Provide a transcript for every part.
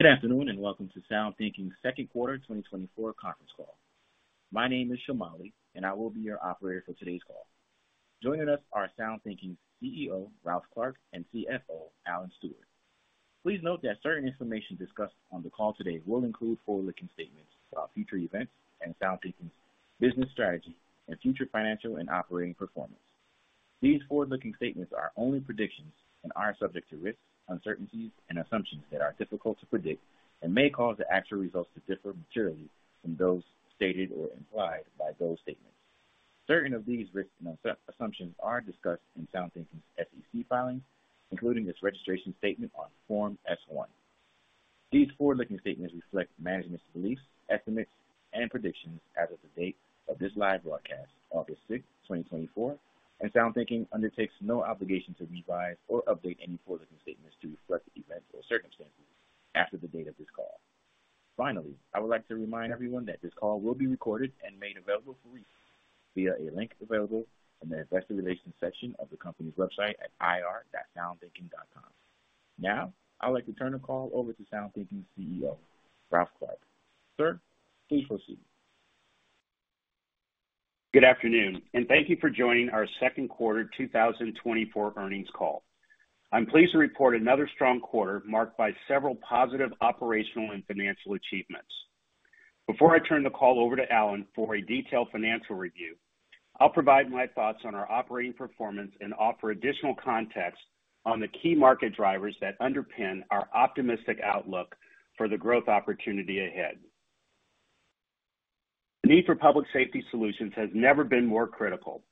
Good afternoon, and welcome to SoundThinking's second quarter 2024 conference call. My name is Shamali, and I will be your operator for today's call. Joining us are SoundThinking's CEO, Ralph Clark, and CFO, Alan Stewart. Please note that certain information discussed on the call today will include forward-looking statements about future events and SoundThinking's business strategy and future financial and operating performance. These forward-looking statements are only predictions and are subject to risks, uncertainties, and assumptions that are difficult to predict and may cause the actual results to differ materially from those stated or implied by those statements. Certain of these risks and assumptions are discussed in SoundThinking's SEC filings, including its registration statement on Form S-1. These forward-looking statements reflect management's beliefs, estimates, and predictions as of the date of this live broadcast, August 6, 2024, and SoundThinking undertakes no obligation to revise or update any forward-looking statements to reflect events or circumstances after the date of this call. Finally, I would like to remind everyone that this call will be recorded and made available for review via a link available in the investor relations section of the company's website at ir.soundthinking.com. Now, I'd like to turn the call over to SoundThinking's CEO, Ralph Clark. Sir, please proceed. Good afternoon, and thank you for joining our second quarter 2024 earnings call. I'm pleased to report another strong quarter, marked by several positive operational and financial achievements. Before I turn the call over to Alan for a detailed financial review, I'll provide my thoughts on our operating performance and offer additional context on the key market drivers that underpin our optimistic outlook for the growth opportunity ahead. The need for public safety solutions has never been more critical,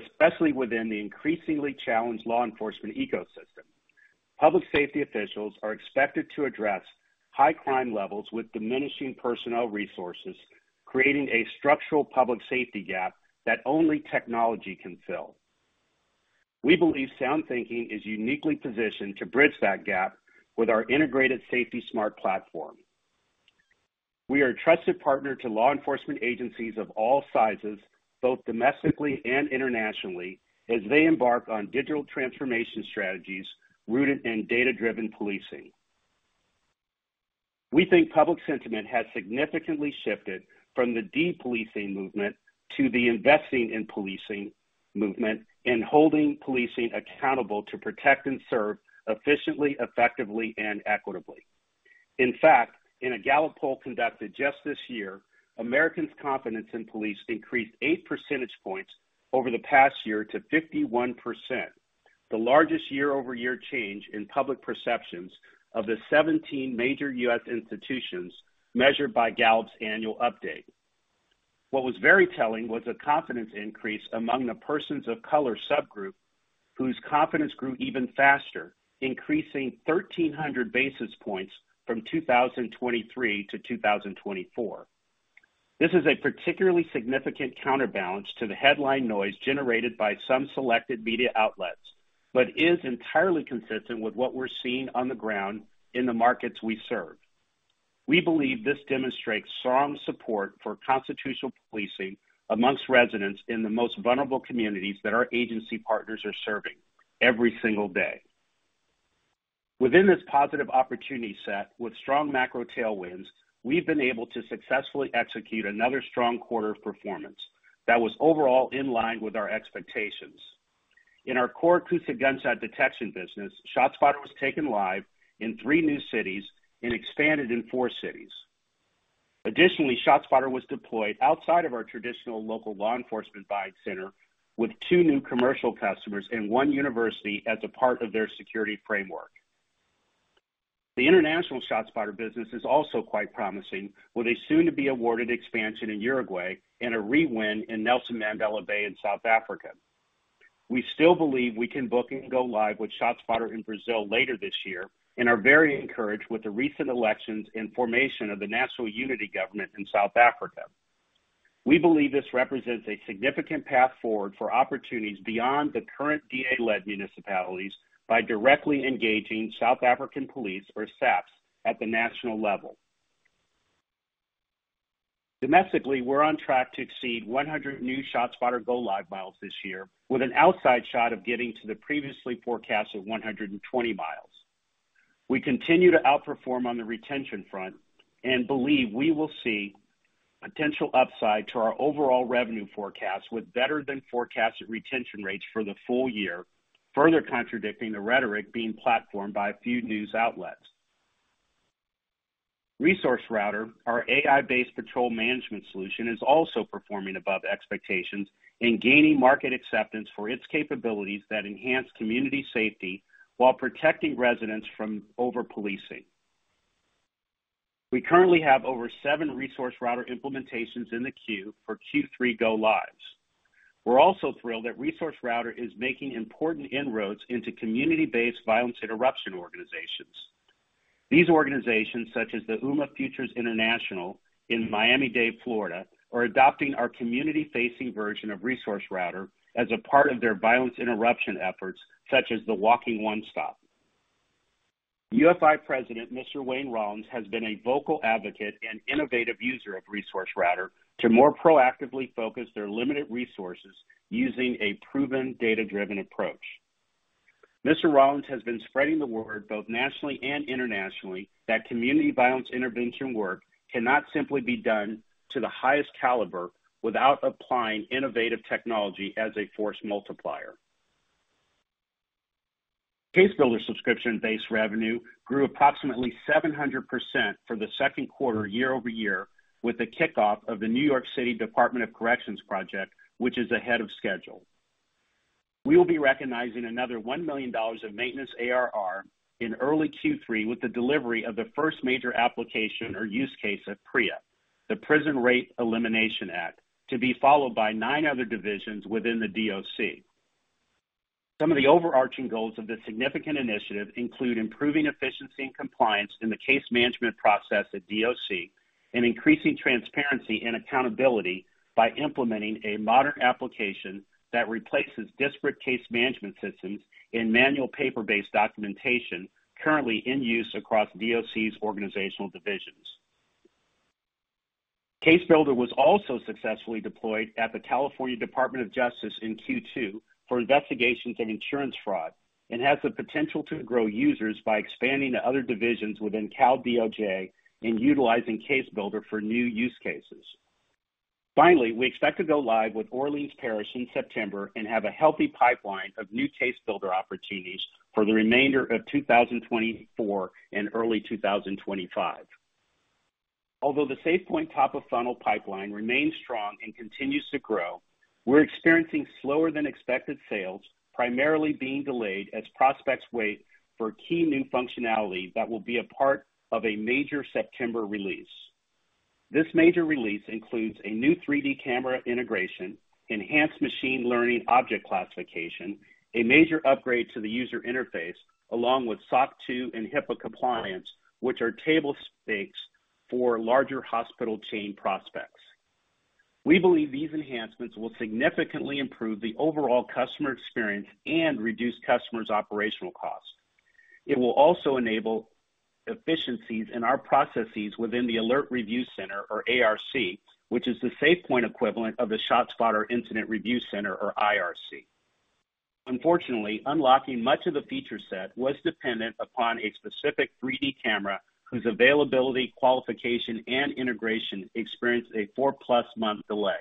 especially within the increasingly challenged law enforcement ecosystem. Public safety officials are expected to address high crime levels with diminishing personnel resources, creating a structural public safety gap that only technology can fill. We believe SoundThinking is uniquely positioned to bridge that gap with our integrated SafetySmart Platform. We are a trusted partner to law enforcement agencies of all sizes, both domestically and internationally, as they embark on digital transformation strategies rooted in data-driven policing. We think public sentiment has significantly shifted from the de-policing movement to the investing in policing movement and holding policing accountable to protect and serve efficiently, effectively, and equitably. In fact, in a Gallup poll conducted just this year, Americans' confidence in police increased eight percentage points over the past year to 51%, the largest year-over-year change in public perceptions of the 17 major U.S. institutions measured by Gallup's annual update. What was very telling was a confidence increase among the persons of color subgroup, whose confidence grew even faster, increasing 1,300 basis points from 2023 to 2024. This is a particularly significant counterbalance to the headline noise generated by some selected media outlets, but is entirely consistent with what we're seeing on the ground in the markets we serve. We believe this demonstrates strong support for constitutional policing among residents in the most vulnerable communities that our agency partners are serving every single day. Within this positive opportunity set with strong macro tailwinds, we've been able to successfully execute another strong quarter of performance that was overall in line with our expectations. In our core acoustic gunshot detection business, ShotSpotter was taken live in three new cities and expanded in four cities. Additionally, ShotSpotter was deployed outside of our traditional local law enforcement buy center with two new commercial customers and 1 university as a part of their security framework. The international ShotSpotter business is also quite promising, with a soon-to-be-awarded expansion in Uruguay and a re-win in Nelson Mandela Bay in South Africa. We still believe we can book and go live with ShotSpotter in Brazil later this year and are very encouraged with the recent elections and formation of the National Unity Government in South Africa. We believe this represents a significant path forward for opportunities beyond the current DA-led municipalities by directly engaging South African police, or SAPS, at the national level. Domestically, we're on track to exceed 100 new ShotSpotter go live miles this year, with an outside shot of getting to the previously forecast of 120 miles. We continue to outperform on the retention front and believe we will see potential upside to our overall revenue forecast, with better-than-forecasted retention rates for the full year, further contradicting the rhetoric being platformed by a few news outlets. ResourceRouter, our AI-based patrol management solution, is also performing above expectations and gaining market acceptance for its capabilities that enhance community safety while protecting residents from over-policing. We currently have over seven ResourceRouter implementations in the queue for Q3 go-lives. We're also thrilled that ResourceRouter is making important inroads into community-based violence interruption organizations. These organizations, such as the Ummah Futures International in Miami-Dade, Florida, are adopting our community-facing version of ResourceRouter as a part of their violence interruption efforts, such as the Walking One Stop. UFI President, Mr. Wayne Rawlins has been a vocal advocate and innovative user of ResourceRouter to more proactively focus their limited resources using a proven data-driven approach. Mr. Rawlins has been spreading the word, both nationally and internationally, that community violence intervention work cannot simply be done to the highest caliber without applying innovative technology as a force multiplier. CaseBuilder subscription-based revenue grew approximately 700% for the second quarter year-over-year, with the kickoff of the New York City Department of Correction project, which is ahead of schedule. We will be recognizing another $1 million of maintenance ARR in early Q3 with the delivery of the first major application or use case of PREA, the Prison Rape Elimination Act, to be followed by nine other divisions within the DOC. Some of the overarching goals of this significant initiative include improving efficiency and compliance in the case management process at DOC, and increasing transparency and accountability by implementing a modern application that replaces disparate case management systems in manual paper-based documentation currently in use across DOC's organizational divisions. CaseBuilder was also successfully deployed at the California Department of Justice in Q2 for investigations in insurance fraud, and has the potential to grow users by expanding to other divisions within Cal DOJ and utilizing CaseBuilder for new use cases. Finally, we expect to go live with Orleans Parish in September and have a healthy pipeline of new CaseBuilder opportunities for the remainder of 2024 and early 2025. Although the SafePointe top-of-funnel pipeline remains strong and continues to grow, we're experiencing slower than expected sales, primarily being delayed as prospects wait for key new functionality that will be a part of a major September release. This major release includes a new 3D camera integration, enhanced machine learning object classification, a major upgrade to the user interface, along with SOC 2 and HIPAA compliance, which are table stakes for larger hospital chain prospects. We believe these enhancements will significantly improve the overall customer experience and reduce customers' operational costs. It will also enable efficiencies in our processes within the Alert Review Center, or ARC, which is the SafePointe equivalent of the ShotSpotter Incident Review Center, or IRC. Unfortunately, unlocking much of the feature set was dependent upon a specific 3D camera, whose availability, qualification, and integration experienced a 4+ month delay.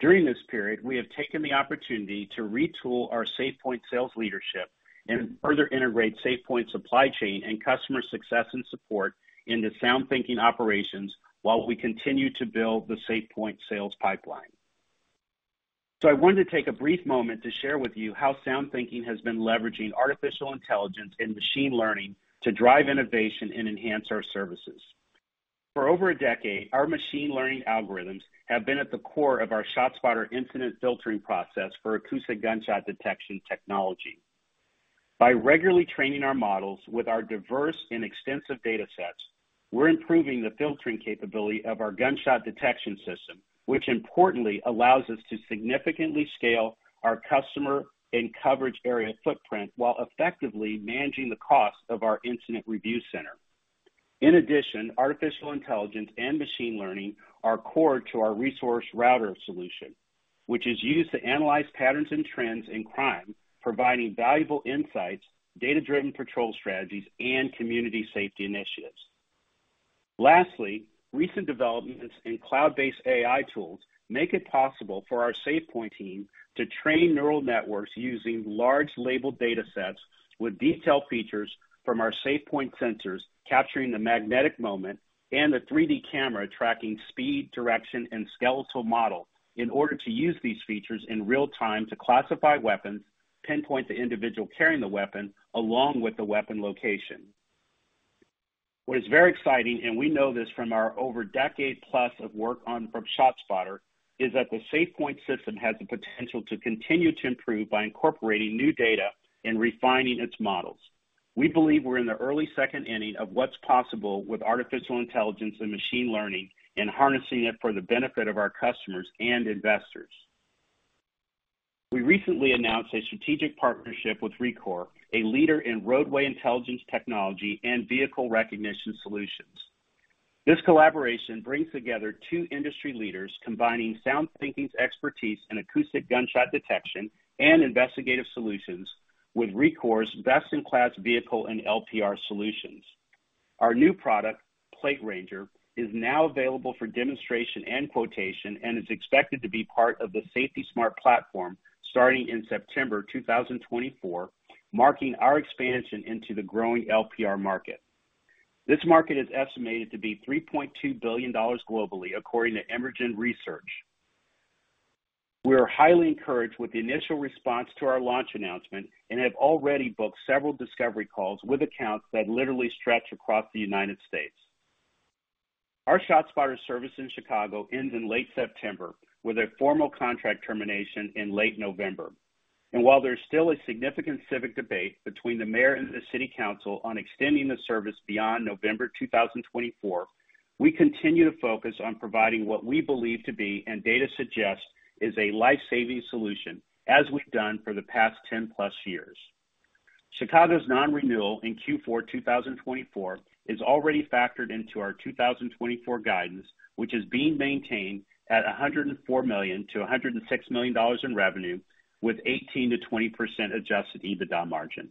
During this period, we have taken the opportunity to retool our SafePointe sales leadership and further integrate SafePointe supply chain and customer success and support into SoundThinking operations while we continue to build the SafePointe sales pipeline. So I wanted to take a brief moment to share with you how SoundThinking has been leveraging artificial intelligence and machine learning to drive innovation and enhance our services. For over a decade, our machine learning algorithms have been at the core of our ShotSpotter incident filtering process for acoustic gunshot detection technology. By regularly training our models with our diverse and extensive data sets, we're improving the filtering capability of our gunshot detection system, which importantly allows us to significantly scale our customer and coverage area footprint, while effectively managing the cost of our Incident Review Center. In addition, artificial intelligence and machine learning are core to our ResourceRouter solution, which is used to analyze patterns and trends in crime, providing valuable insights, data-driven patrol strategies, and community safety initiatives. Lastly, recent developments in cloud-based AI tools make it possible for our SafePointe team to train neural networks using large labeled data sets with detailed features from our SafePointe sensors, capturing the magnetic moment and the 3D camera tracking speed, direction, and skeletal model in order to use these features in real time to classify weapons, pinpoint the individual carrying the weapon, along with the weapon location. What is very exciting, and we know this from our over decade-plus of work on ShotSpotter, is that the SafePointe system has the potential to continue to improve by incorporating new data and refining its models. We believe we're in the early second inning of what's possible with artificial intelligence and machine learning, and harnessing it for the benefit of our customers and investors. We recently announced a strategic partnership with Rekor, a leader in roadway intelligence technology and vehicle recognition solutions. This collaboration brings together two industry leaders, combining SoundThinking's expertise in acoustic gunshot detection and investigative solutions with Rekor's best-in-class vehicle and LPR solutions. Our new product, PlateRanger, is now available for demonstration and quotation, and is expected to be part of the SafetySmart Platform starting in September 2024, marking our expansion into the growing LPR market. This market is estimated to be $3.2 billion globally, according to Emergen Research. We are highly encouraged with the initial response to our launch announcement and have already booked several discovery calls with accounts that literally stretch across the United States. Our ShotSpotter service in Chicago ends in late September, with a formal contract termination in late November. While there's still a significant civic debate between the mayor and the city council on extending the service beyond November 2024, we continue to focus on providing what we believe to be, and data suggests, is a life-saving solution, as we've done for the past 10+ years. Chicago's non-renewal in Q4 2024 is already factored into our 2024 guidance, which is being maintained at $104 million to $106 million in revenue, with 18% to 20% Adjusted EBITDA margin.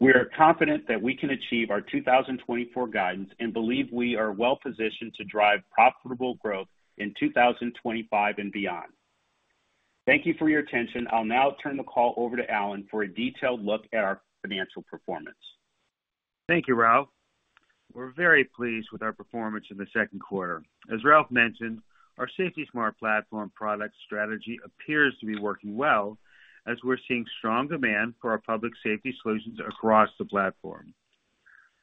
We are confident that we can achieve our 2024 guidance and believe we are well positioned to drive profitable growth in 2025 and beyond. Thank you for your attention. I'll now turn the call over to Alan for a detailed look at our financial performance. Thank you, Ralph. We're very pleased with our performance in the second quarter. As Ralph mentioned, our SafetySmart Platform product strategy appears to be working well as we're seeing strong demand for our public safety solutions across the platform.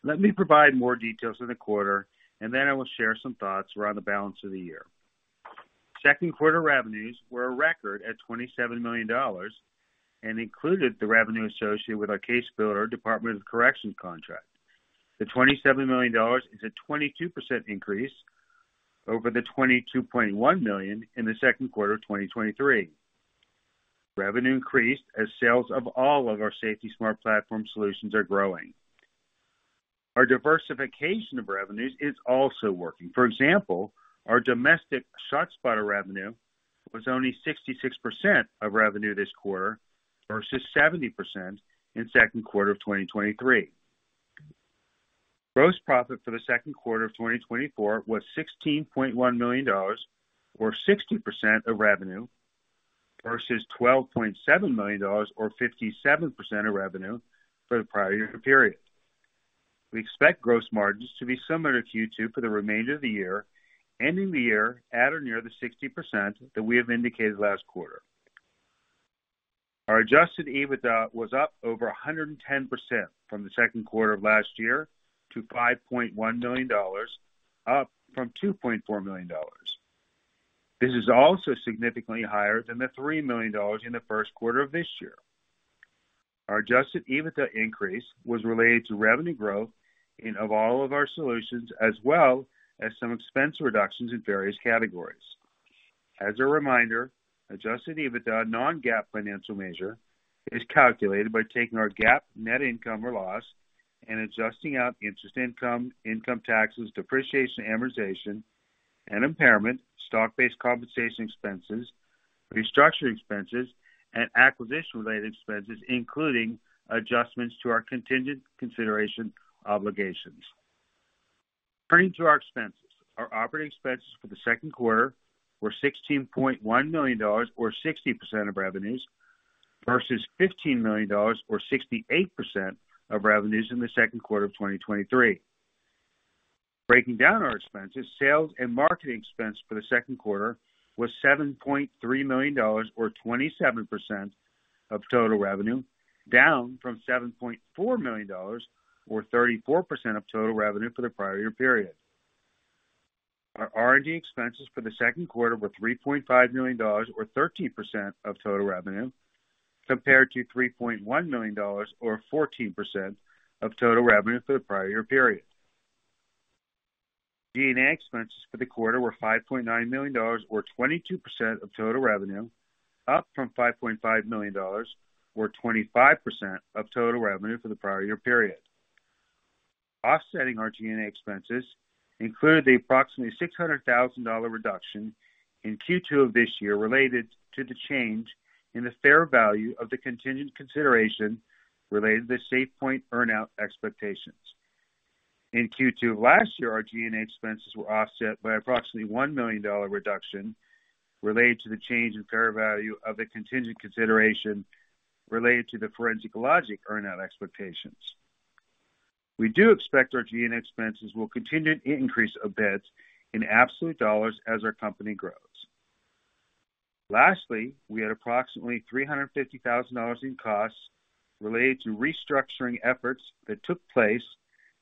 Let me provide more details on the quarter, and then I will share some thoughts around the balance of the year. Second quarter revenues were a record at $27 million and included the revenue associated with our CaseBuilder Department of Corrections contract. The $27 million is a 22% increase over the $22.1 million in the second quarter of 2023. Revenue increased as sales of all of our SafetySmart Platform solutions are growing. Our diversification of revenues is also working. For example, our domestic ShotSpotter revenue was only 66% of revenue this quarter, versus 70% in second quarter of 2023. Gross profit for the second quarter of 2024 was $16.1 million, or 60% of revenue, versus $12.7 million or 57% of revenue for the prior year period. We expect gross margins to be similar to Q2 for the remainder of the year, ending the year at or near the 60% that we have indicated last quarter. Our adjusted EBITDA was up over 110% from the second quarter of last year to $5.1 million, up from $2.4 million. This is also significantly higher than the $3 million in the first quarter of this year. Our adjusted EBITDA increase was related to revenue growth in of all of our solutions, as well as some expense reductions in various categories. As a reminder, Adjusted EBITDA, non-GAAP financial measure, is calculated by taking our GAAP net income or loss and adjusting out interest income, income taxes, depreciation, amortization, and impairment, stock-based compensation expenses, restructuring expenses, and acquisition-related expenses, including adjustments to our contingent consideration obligations. Turning to our expenses. Our operating expenses for the second quarter were $16.1 million, or 60% of revenues, versus $15 million, or 68% of revenues in the second quarter of 2023. Breaking down our expenses, sales and marketing expense for the second quarter was $7.3 million, or 27% of total revenue, down from $7.4 million or 34% of total revenue for the prior year period. Our R&D expenses for the second quarter were $3.5 million, or 13% of total revenue, compared to $3.1 million or 14% of total revenue for the prior year period. G&A expenses for the quarter were $5.9 million or 22% of total revenue, up from $5.5 million, or 25% of total revenue for the prior year period. Offsetting our G&A expenses included the approximately $600,000 reduction in Q2 of this year related to the change in the fair value of the contingent consideration related to the SafePointe earn-out expectations. In Q2 of last year, our G&A expenses were offset by approximately $1 million reduction related to the change in fair value of the contingent consideration related to the Forensic Logic earn-out expectations. We do expect our G&A expenses will continue to increase a bit in absolute dollars as our company grows. Lastly, we had approximately $350,000 in costs related to restructuring efforts that took place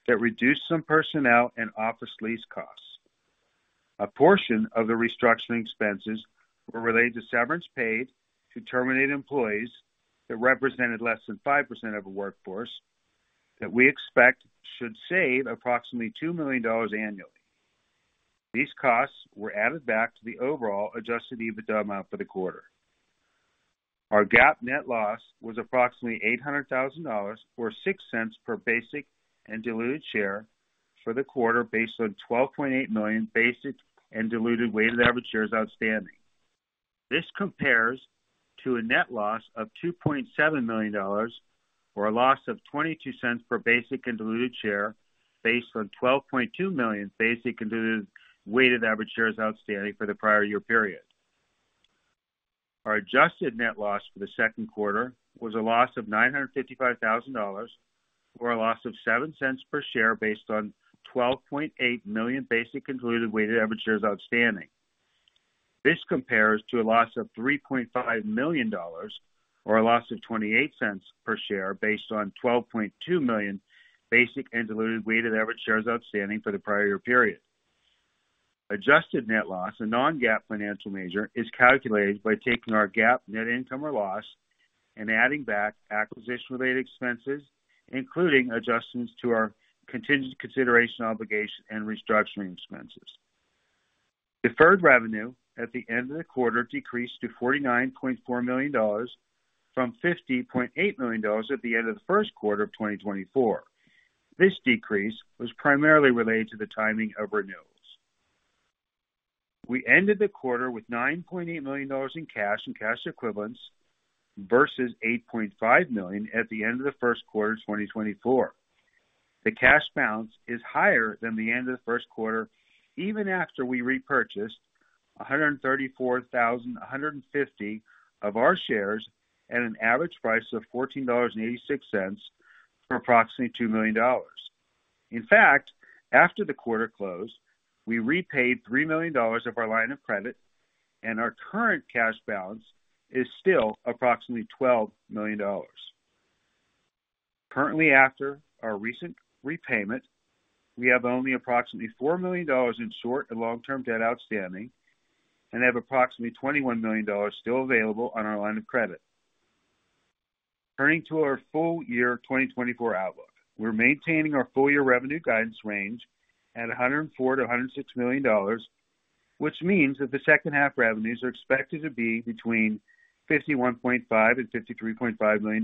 that reduced some personnel and office lease costs. A portion of the restructuring expenses were related to severance paid to terminate employees that represented less than 5% of the workforce, that we expect should save approximately $2 million annually. These costs were added back to the overall adjusted EBITDA amount for the quarter. Our GAAP net loss was approximately $800,000, or $0.06 per basic and diluted share for the quarter, based on 12.8 million basic and diluted weighted average shares outstanding. This compares to a net loss of $2.7 million, or a loss of 22 cents per basic and diluted share, based on 12.2 million basic and diluted weighted average shares outstanding for the prior year period. Our adjusted net loss for the second quarter was a loss of $955,000, or a loss of 7 cents per share, based on 12.8 million basic and diluted weighted average shares outstanding. This compares to a loss of $3.5 million, or a loss of 28 cents per share, based on 12.2 million basic and diluted weighted average shares outstanding for the prior year period. Adjusted net loss, a non-GAAP financial measure, is calculated by taking our GAAP net income or loss and adding back acquisition-related expenses, including adjustments to our contingent consideration, obligation, and restructuring expenses. Deferred revenue at the end of the quarter decreased to $49.4 million from $50.8 million at the end of the first quarter of 2024. This decrease was primarily related to the timing of renewals. We ended the quarter with $9.8 million in cash and cash equivalents, versus $8.5 million at the end of the first quarter of 2024. The cash balance is higher than the end of the first quarter, even after we repurchased 134,150 of our shares at an average price of $14.86 for approximately $2 million. In fact, after the quarter closed, we repaid $3 million of our line of credit, and our current cash balance is still approximately $12 million. Currently, after our recent repayment, we have only approximately $4 million in short and long-term debt outstanding and have approximately $21 million still available on our line of credit. Turning to our full year 2024 outlook. We're maintaining our full year revenue guidance range at $104 million to $106 million, which means that the second half revenues are expected to be between $51.5 million and $53.5 million.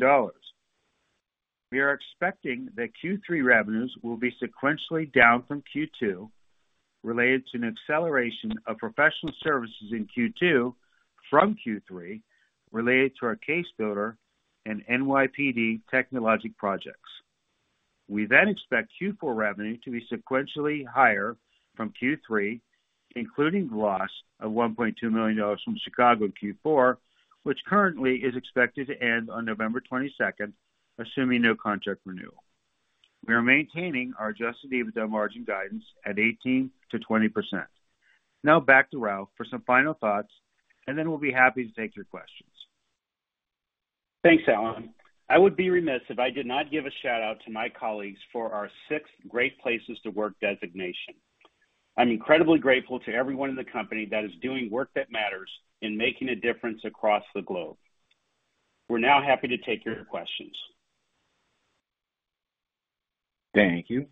We are expecting that Q3 revenues will be sequentially down from Q2, related to an acceleration of professional services in Q2 from Q3, related to our CaseBuilder and NYPD technology projects. We then expect Q4 revenue to be sequentially higher from Q3, including the loss of $1.2 million from Chicago in Q4, which currently is expected to end on November twenty-second, assuming no contract renewal. We are maintaining our Adjusted EBITDA margin guidance at 18% to 20%. Now back to Ralph for some final thoughts, and then we'll be happy to take your questions. Thanks, Alan. I would be remiss if I did not give a shout-out to my colleagues for our sixth Great Places to Work designation. I'm incredibly grateful to everyone in the company that is doing work that matters in making a difference across the globe. We're now happy to take your questions. Thank you.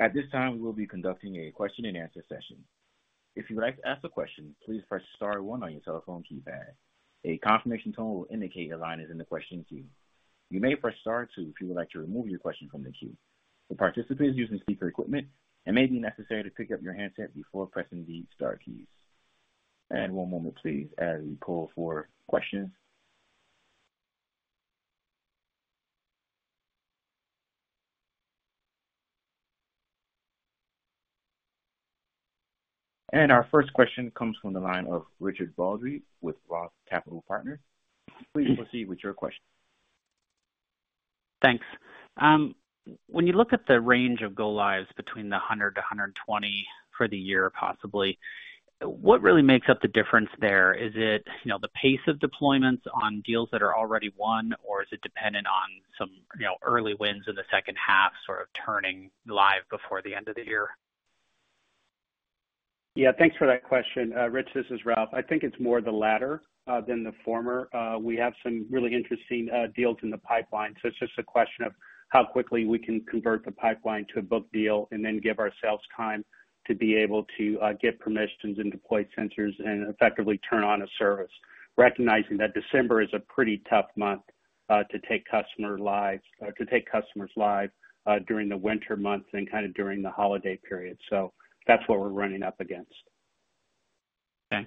At this time, we will be conducting a question and answer session. If you'd like to ask a question, please press star one on your telephone keypad. A confirmation tone will indicate your line is in the question queue. You may press star two if you would like to remove your question from the queue. For participants using speaker equipment, it may be necessary to pick up your handset before pressing the star keys. One moment, please, as we pull for questions. Our first question comes from the line of Richard Baldry with ROTH Capital Partners. Please proceed with your question. Thanks. When you look at the range of go-lives between 100 to 120 for the year, possibly, what really makes up the difference there? Is it, you know, the pace of deployments on deals that are already won, or is it dependent on some, you know, early wins in the second half, sort of turning live before the end of the year? Yeah, thanks for that question. Rich, this is Ralph. I think it's more the latter than the former. We have some really interesting deals in the pipeline, so it's just a question of how quickly we can convert the pipeline to a book deal and then give ourselves time to be able to get permissions and deploy sensors and effectively turn on a service, recognizing that December is a pretty tough month to take customer lives to take customers live during the winter months and kind of during the holiday period. So that's what we're running up against. Okay.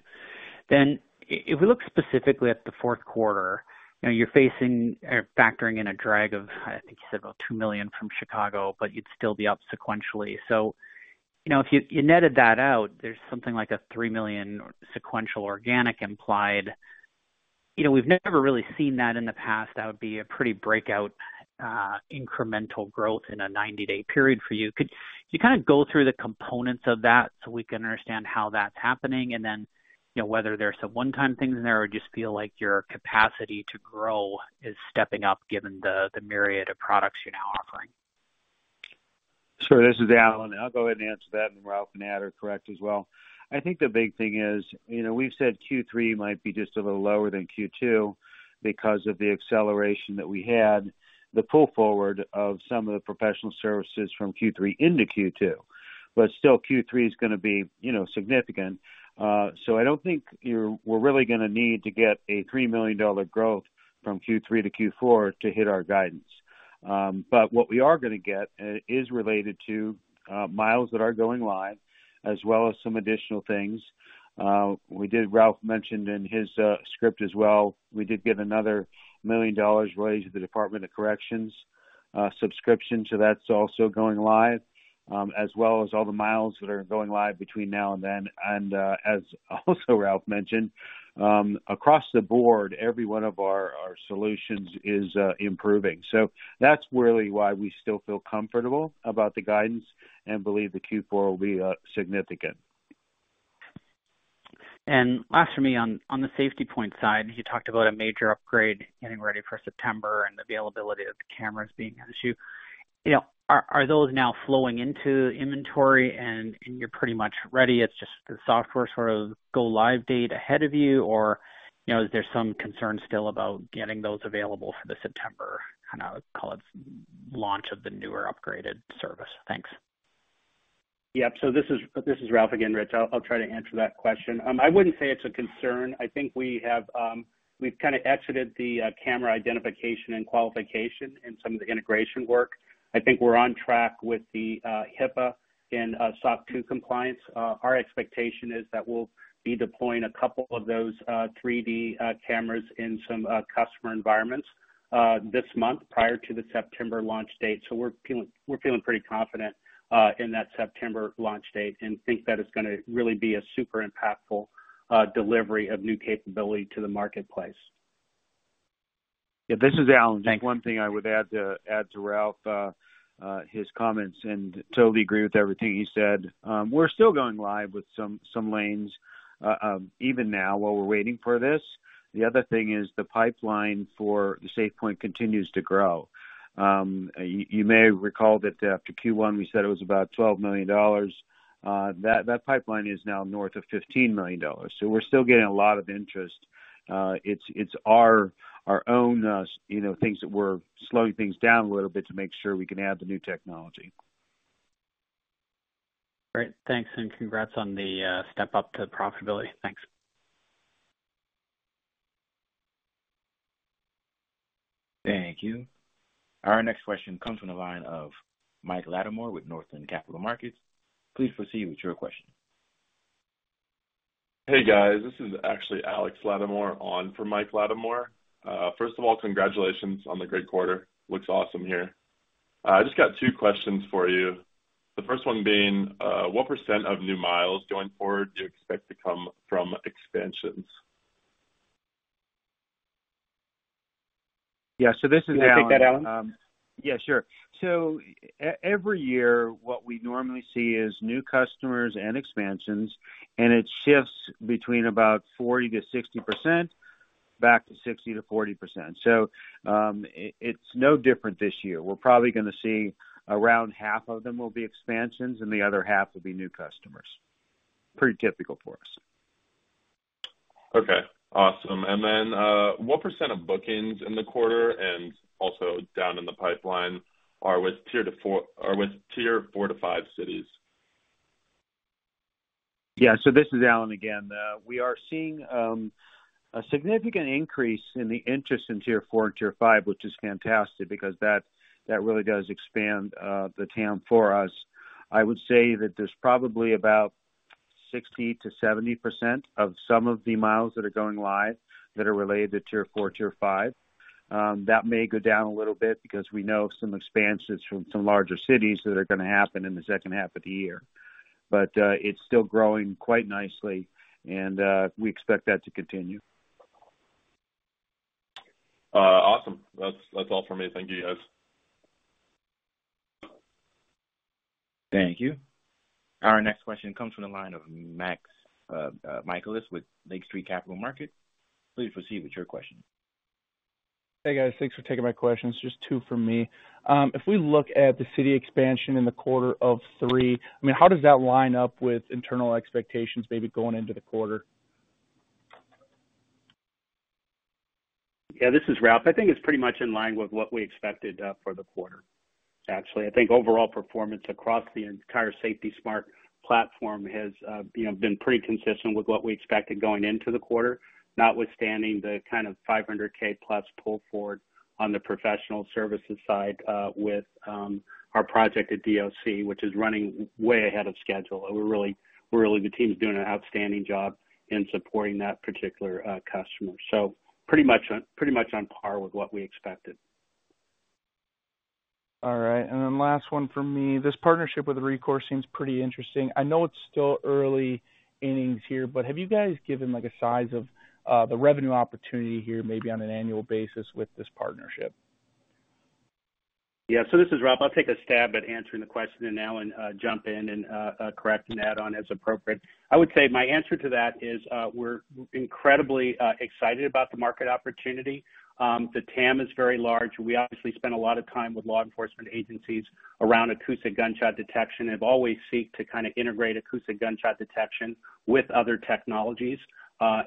Then, if we look specifically at the fourth quarter, you know, you're facing or factoring in a drag of, I think you said, about $2 million from Chicago, but you'd still be up sequentially. So, you know, if you netted that out, there's something like a $3 million sequential organic implied. You know, we've never really seen that in the past. That would be a pretty breakout incremental growth in a 90-day period for you. Could you kind of go through the components of that so we can understand how that's happening? And then, you know, whether there are some one-time things in there, or just feel like your capacity to grow is stepping up given the myriad of products you're now offering. Sure. This is Alan. I'll go ahead and answer that, and Ralph and Matt are correct as well. I think the big thing is, you know, we've said Q3 might be just a little lower than Q2 because of the acceleration that we had, the pull forward of some of the professional services from Q3 into Q2. But still, Q3 is gonna be, you know, significant. So I don't think we're really gonna need to get a $3 million growth from Q3 to Q4 to hit our guidance. But what we are gonna get is related to miles that are going live, as well as some additional things. Ralph mentioned in his script as well, we did get another $1 million related to the Department of Corrections subscription, so that's also going live, as well as all the miles that are going live between now and then. And, as also Ralph mentioned, across the board, every one of our solutions is improving. So that's really why we still feel comfortable about the guidance and believe that Q4 will be significant. Last for me, on the SafePointe side, you talked about a major upgrade getting ready for September and the availability of the cameras being an issue. You know, are those now flowing into inventory and you're pretty much ready? It's just the software sort of go live date ahead of you, or, you know, is there some concern still about getting those available for the September launch and I would call it launch of the newer upgraded service? Thanks. Yep. So this is Ralph again, Rich. I'll try to answer that question. I wouldn't say it's a concern. I think we have, we've kind of exited the camera identification and qualification and some of the integration work. I think we're on track with the HIPAA and SOC-2 compliance. Our expectation is that we'll be deploying a couple of those 3D cameras in some customer environments this month prior to the September launch date. So we're feeling pretty confident in that September launch date and think that it's gonna really be a super impactful delivery of new capability to the marketplace. Yeah, this is Alan. Thanks. Just one thing I would add to Ralph his comments, and totally agree with everything he said. We're still going live with some lanes even now while we're waiting for this. The other thing is the pipeline for the SafePointe continues to grow. You may recall that after Q1, we said it was about $12 million. That pipeline is now north of $15 million. So we're still getting a lot of interest. It's our own, you know, things that we're slowing things down a little bit to make sure we can add the new technology. Great. Thanks, and congrats on the step up to profitability. Thanks. Thank you. Our next question comes from the line of Mike Latimore with Northland Capital Markets. Please proceed with your question. Hey, guys. This is actually Alex Latimore on for Mike Latimore. First of all, congratulations on the great quarter. Looks awesome here. I just got two questions for you. The first one being, what percent of new miles going forward do you expect to come from expansions? Yeah, so this is Alan. Can you take that, Alan? Yeah, sure. So every year, what we normally see is new customers and expansions, and it shifts between about 40% to 60%, back to 60% to 40%. So, it's no different this year. We're probably gonna see around half of them will be expansions, and the other half will be new customers. Pretty typical for us. Okay, awesome. What percentage of bookings in the quarter and also down in the pipeline are with tier four to five cities? Yeah, so this is Alan again. We are seeing a significant increase in the interest in tier four and tier five, which is fantastic because that really does expand the TAM for us. I would say that there's probably about 60% to 70% of some of the miles that are going live that are related to tier four, tier five. That may go down a little bit because we know some expansions from some larger cities that are gonna happen in the second half of the year, but it's still growing quite nicely, and we expect that to continue. Awesome. That's, that's all for me. Thank you, guys. Thank you. Our next question comes from the line of Max Michaelis, with Lake Street Capital Markets. Please proceed with your question. Hey, guys. Thanks for taking my questions. Just two from me. If we look at the city expansion in the quarter three, I mean, how does that line up with internal expectations, maybe going into the quarter? Yeah, this is Ralph. I think it's pretty much in line with what we expected for the quarter. Actually, I think overall performance across the entire SafetySmart Platform has, you know, been pretty consistent with what we expected going into the quarter, notwithstanding the kind of $500K+ pull forward on the professional services side with our project at DOC, which is running way ahead of schedule. The team's doing an outstanding job in supporting that particular customer. So pretty much on par with what we expected. All right. And then last one for me. This partnership with Rekor seems pretty interesting. I know it's still early innings here, but have you guys given, like, a size of the revenue opportunity here, maybe on an annual basis with this partnership? Yeah, so this is Ralph. I'll take a stab at answering the question, and Alan, jump in and correct and add on as appropriate. I would say my answer to that is, we're incredibly excited about the market opportunity. The TAM is very large. We obviously spend a lot of time with law enforcement agencies around acoustic gunshot detection and have always seek to kind of integrate acoustic gunshot detection with other technologies,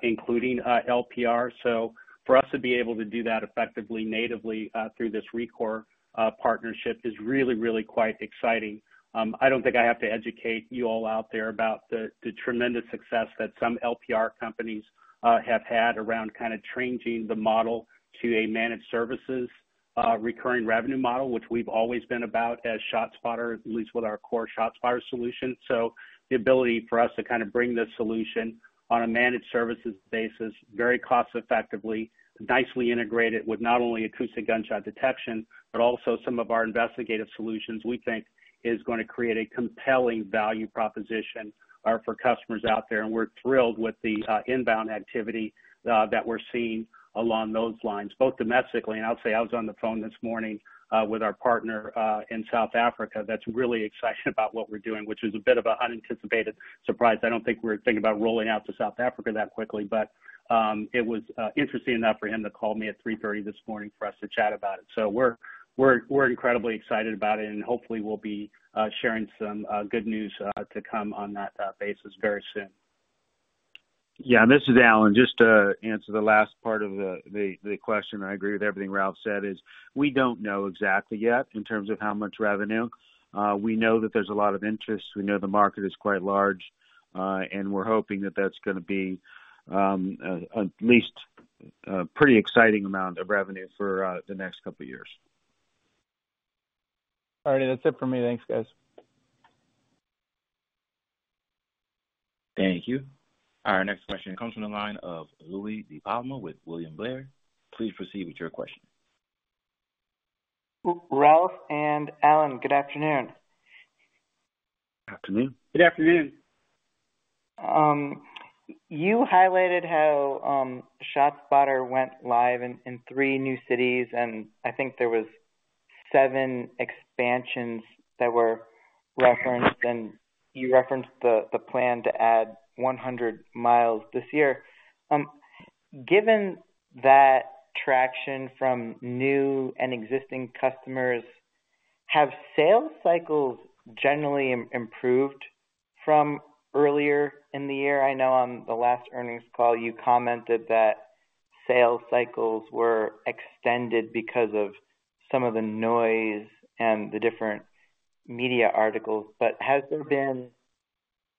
including LPR. So for us to be able to do that effectively, natively, through this Rekor partnership is really, really quite exciting. I don't think I have to educate you all out there about the tremendous success that some LPR companies have had around kind of changing the model to a managed services recurring revenue model, which we've always been about as ShotSpotter, at least with our core ShotSpotter solution. So the ability for us to kind of bring this solution on a managed services basis, very cost effectively, nicely integrated with not only acoustic gunshot detection, but also some of our investigative solutions, we think is gonna create a compelling value proposition for customers out there. And we're thrilled with the inbound activity that we're seeing along those lines, both domestically, and I'll say I was on the phone this morning with our partner in South Africa that's really excited about what we're doing, which is a bit of an unanticipated surprise. I don't think we're thinking about rolling out to South Africa that quickly, but it was interesting enough for him to call me at 3:30 A.M. this morning for us to chat about it. So we're incredibly excited about it, and hopefully we'll be sharing some good news to come on that basis very soon. Yeah, this is Alan. Just to answer the last part of the question, I agree with everything Ralph said, is we don't know exactly yet in terms of how much revenue. We know that there's a lot of interest. We know the market is quite large, and we're hoping that that's gonna be at least a pretty exciting amount of revenue for the next couple of years. All righty, that's it for me. Thanks, guys. Thank you. Our next question comes from the line of Louie DiPalma with William Blair. Please proceed with your question. Ralph and Alan, good afternoon. Good afternoon. Good afternoon. You highlighted how ShotSpotter went live in 3 new cities, and I think there was seven expansions that were referenced, and you referenced the plan to add 100 miles this year. Given that traction from new and existing customers, have sales cycles generally improved from earlier in the year? I know on the last earnings call, you commented that sales cycles were extended because of some of the noise and the different media articles. But has there been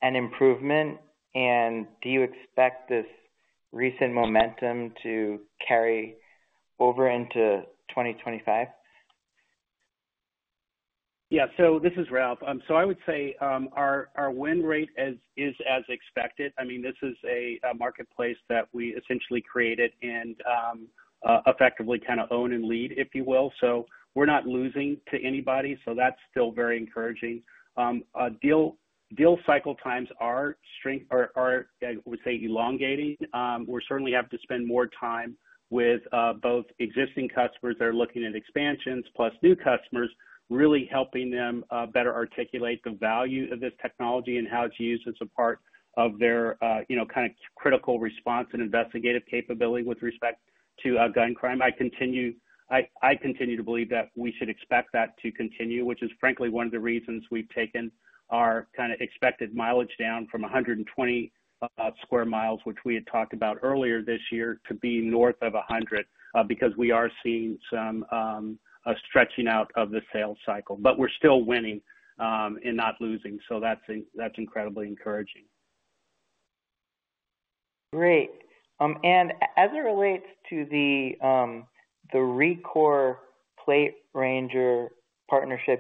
an improvement, and do you expect this recent momentum to carry over into 2025? Yeah. So this is Ralph. So I would say our win rate as is, as expected. I mean, this is a marketplace that we essentially created and effectively kind of own and lead, if you will. So we're not losing to anybody, so that's still very encouraging. Deal cycle times are, I would say, elongating. We certainly have to spend more time with both existing customers that are looking at expansions, plus new customers, really helping them better articulate the value of this technology and how it's used as a part of their, you know, kind of critical response and investigative capability with respect to gun crime. I continue to believe that we should expect that to continue, which is frankly one of the reasons we've taken our kind of expected mileage down from 120 square miles, which we had talked about earlier this year, to be north of 100, because we are seeing some stretching out of the sales cycle. But we're still winning, and not losing, so that's incredibly encouraging. Great. And as it relates to the, the Rekor PlateRanger partnership,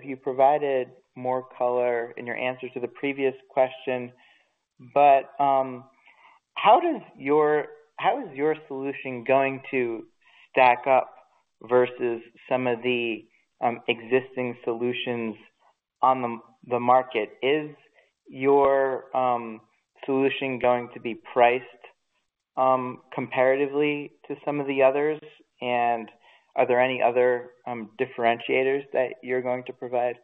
you provided more color in your answer to the previous question, but, how does your—how is your solution going to stack up versus some of the, existing solutions on the, the market? Is your, solution going to be priced, comparatively to some of the others, and are there any other, differentiators that you're going to provide?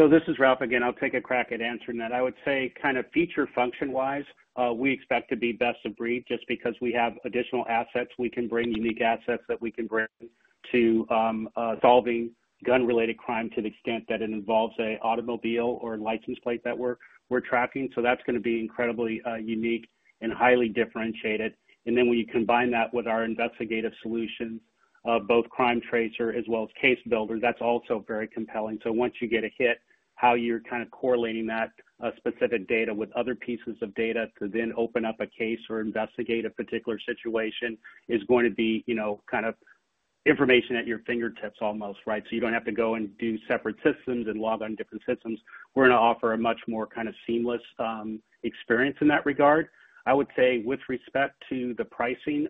So this is Ralph again. I'll take a crack at answering that. I would say, kind of feature function-wise, we expect to be best of breed just because we have additional assets. We can bring unique assets that we can bring to, solving gun-related crime to the extent that it involves a automobile or license plate that we're, we're tracking. So that's gonna be incredibly, unique and highly differentiated. And then when you combine that with our investigative solution of both CrimeTracer as well as CaseBuilder, that's also very compelling. So once you get a hit, how you're kind of correlating that, specific data with other pieces of data to then open up a case or investigate a particular situation is going to be, you know, kind of information at your fingertips almost, right? So you don't have to go and do separate systems and log on different systems. We're gonna offer a much more kind of seamless experience in that regard. I would say with respect to the pricing,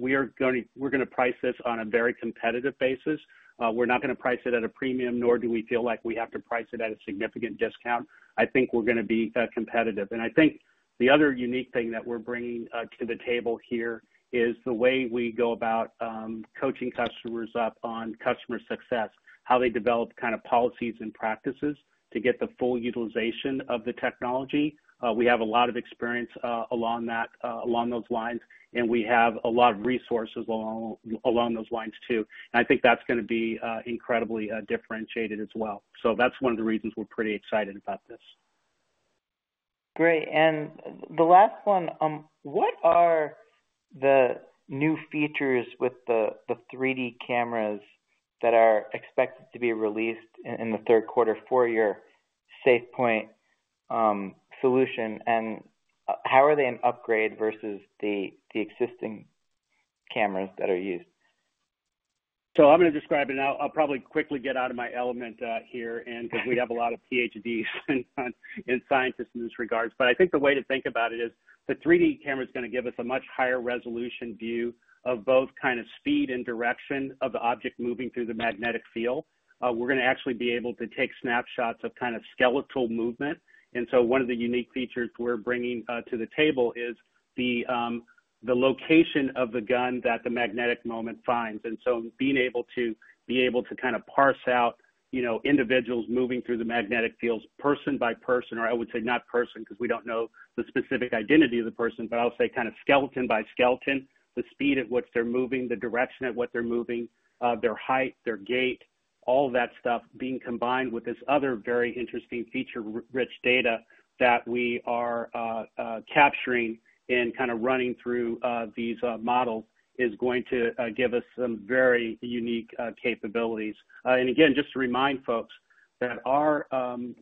we're gonna price this on a very competitive basis. We're not gonna price it at a premium, nor do we feel like we have to price it at a significant discount. I think we're gonna be competitive. And I think the other unique thing that we're bringing to the table here is the way we go about coaching customers up on customer success, how they develop kind of policies and practices to get the full utilization of the technology. We have a lot of experience along those lines, and we have a lot of resources along those lines, too. And I think that's gonna be incredibly differentiated as well. So that's one of the reasons we're pretty excited about this. Great. And the last one: What are the new features with the 3D cameras that are expected to be released in the third quarter for your SafePointe solution, and how are they an upgrade versus the existing cameras that are used? So I'm gonna describe it. I'll probably quickly get out of my element here, and because we have a lot of PhDs and scientists in this regard. But I think the way to think about it is the 3D camera is gonna give us a much higher resolution view of both kind of speed and direction of the object moving through the magnetic field. We're gonna actually be able to take snapshots of kind of skeletal movement. And so one of the unique features we're bringing to the table is the location of the gun that the magnetic moment finds. And so being able to be able to kind of parse out, you know, individuals moving through the magnetic fields, person by person, or I would say, not person, because we don't know the specific identity of the person, but I'll say kind of skeleton by skeleton, the speed at which they're moving, the direction at what they're moving, their height, their gait. All of that stuff being combined with this other very interesting feature, rich data that we are capturing and kind of running through these models, is going to give us some very unique capabilities. And again, just to remind folks that our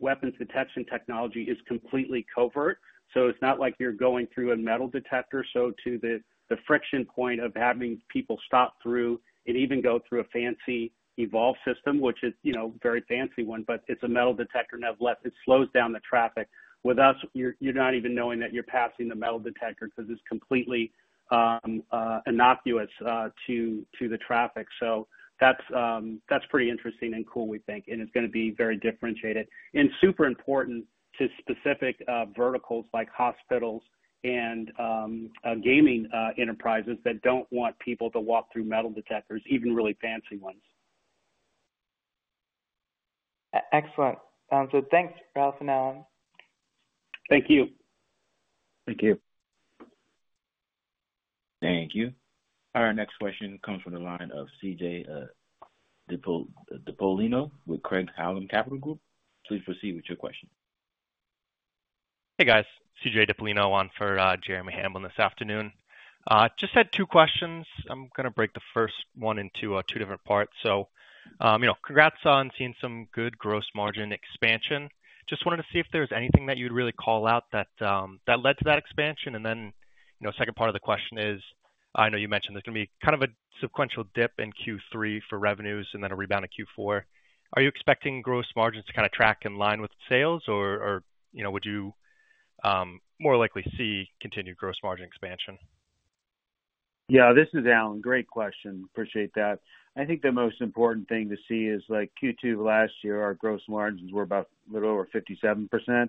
weapons detection technology is completely covert, so it's not like you're going through a metal detector. So to the friction point of having people stop through and even go through a fancy Evolv system, which is, you know, very fancy one, but it's a metal detector, nevertheless, it slows down the traffic. With us, you're not even knowing that you're passing the metal detector because it's completely innocuous to the traffic. So that's pretty interesting and cool, we think, and it's gonna be very differentiated and super important to specific verticals like hospitals and gaming enterprises that don't want people to walk through metal detectors, even really fancy ones. Excellent. Sounds good. Thanks, Ralph and Alan. Thank you. Thank you. Thank you. Our next question comes from the line of C.J. DiPollino with Craig-Hallum Capital Group. Please proceed with your question. Hey, guys. C.J. Dipollino on for Jeremy Hamblin this afternoon. Just had two questions. I'm gonna break the first one into two different parts. So, you know, congrats on seeing some good gross margin expansion. Just wanted to see if there was anything that you'd really call out that that led to that expansion. And then, you know, second part of the question is, I know you mentioned there's gonna be kind of a sequential dip in Q3 for revenues and then a rebound in Q4. Are you expecting gross margins to kind of track in line with sales, or, or you know, would you more likely see continued gross margin expansion? Yeah, this is Alan. Great question. Appreciate that. I think the most important thing to see is, like, Q2 last year, our gross margins were about a little over 57%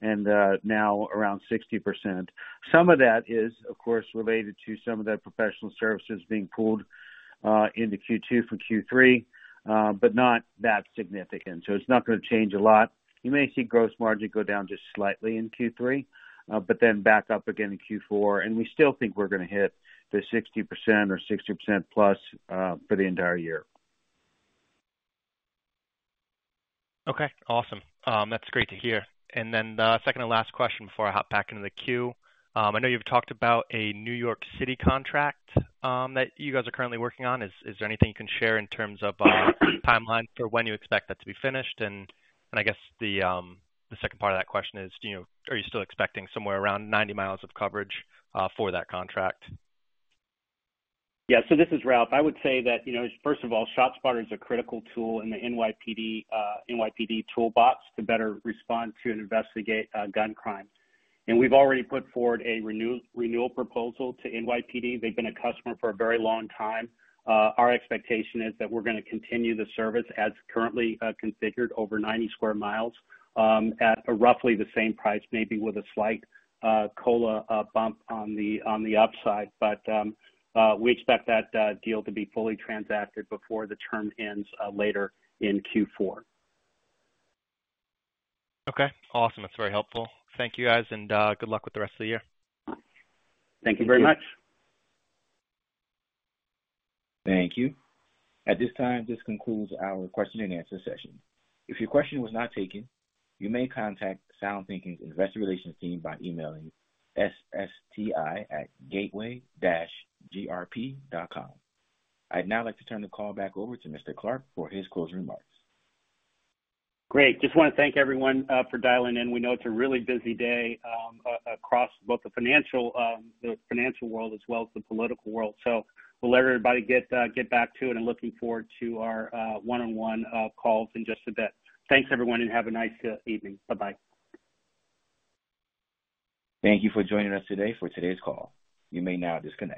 and, now around 60%. Some of that is, of course, related to some of the professional services being pulled, into Q2 from Q3, but not that significant, so it's not gonna change a lot. You may see gross margin go down just slightly in Q3, but then back up again in Q4, and we still think we're gonna hit the 60% or 60% plus, for the entire year. Okay, awesome. That's great to hear. And then the second to last question before I hop back into the queue. I know you've talked about a New York City contract that you guys are currently working on. Is there anything you can share in terms of timeline for when you expect that to be finished? And I guess the second part of that question is, do you know, are you still expecting somewhere around 90 miles of coverage for that contract? Yeah. So this is Ralph. I would say that, you know, first of all, ShotSpotter is a critical tool in the NYPD toolbox to better respond to and investigate gun crimes. And we've already put forward a renewal proposal to NYPD. They've been a customer for a very long time. Our expectation is that we're gonna continue the service as currently configured over 90 square miles at roughly the same price, maybe with a slight COLA bump on the upside. But we expect that deal to be fully transacted before the term ends later in Q4. Okay, awesome. That's very helpful. Thank you, guys, and good luck with the rest of the year. Thank you very much. Thank you. At this time, this concludes our question and answer session. If your question was not taken, you may contact SoundThinking's Investor Relations team by emailing ssti@gateway-grp.com. I'd now like to turn the call back over to Mr. Clark for his closing remarks. Great. Just wanna thank everyone for dialing in. We know it's a really busy day across both the financial world as well as the political world. So we'll let everybody get back to it, and looking forward to our one-on-one calls in just a bit. Thanks, everyone, and have a nice evening. Bye-bye. Thank you for joining us today for today's call. You may now disconnect.